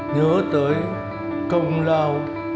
nhớ tới công lao